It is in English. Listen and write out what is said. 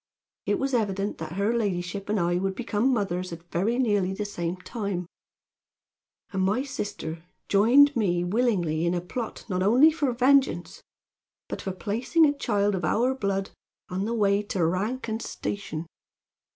It was evident that her ladyship and I would become mothers at very nearly the same time; and my sister joined me willingly in a plot not only for vengeance, but for placing a child of our blood on the way to rank and station.